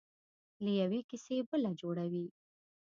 له یوې کیسې بله جوړوي.